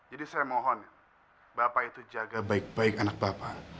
jadi saya mohon bapak itu jaga baik baik anak bapak